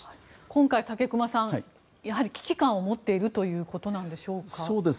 今回、武隈さんやはり危機感を持っているということなんでしょうか。